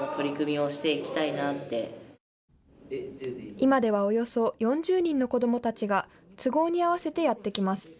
今ではおよそ４０人の子どもたちが都合に合わせてやって来ます。